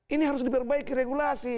ini harus diperbaiki regulasi